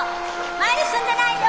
前に進んでないよ。